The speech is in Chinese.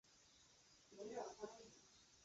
这里的萤幕靛接近于电脑萤幕上的光谱靛。